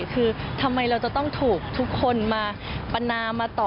คือทำไมเราจะต้องถูกทุกคนมาปนามาต่อ